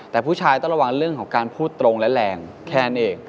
แต่ผู้ชายต้องระวังเรื่องของการพูดตรงและแรงแค่นั้นเอง